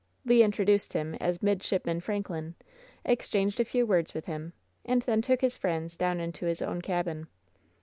Le introduced him as Midshipman Franklin, ex changed a few words with him, and then took his friends down into his own cabin.